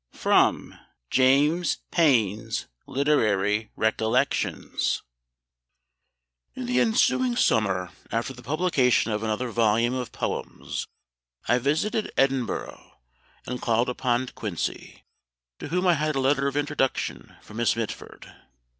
[Sidenote: James Payn's Literary Recollections.] "In the ensuing summer, after the publication of another volume of poems, I visited Edinburgh, and called upon De Quincey, to whom I had a letter of introduction from Miss Mitford.